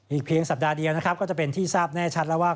เพียงสัปดาห์เดียวนะครับก็จะเป็นที่ทราบแน่ชัดแล้วว่า